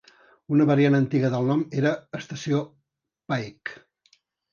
Una variant antiga del nom era estació Pike.